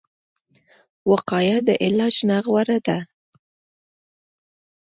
وقایه د علاج نه غوره ده